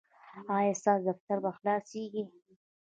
ایا ستاسو دفتر به خلاصیږي؟